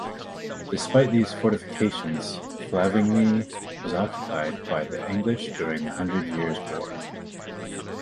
Despite these fortifications, Flavigny was occupied by the English during the Hundred Years' War.